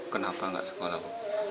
kenapa gak sekolah